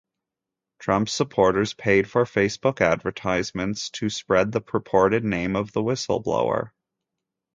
Trump supporters paid for Facebook advertisements to spread the purported name of the whistleblower.